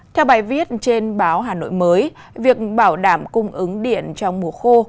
theo bài viết trên báo hà nội mới việc bảo đảm cung ứng điện trong mùa khô